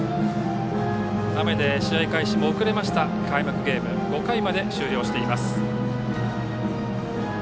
雨で試合開始も遅れました開幕ゲーム５回まで終了しています。